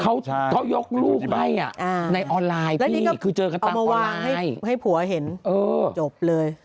เขายกลูกให้อ่ะในออนไลน์พี่คือเจอกันตามออนไลน์แล้วนี่ก็เอามาวางให้ให้ผัวเห็นจบเลย